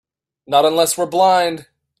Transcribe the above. Not unless we're blind.